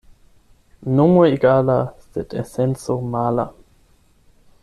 Nomo egala, sed esenco mala.